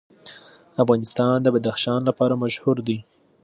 افغانستان د بدخشان لپاره مشهور دی.